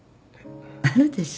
あるでしょ？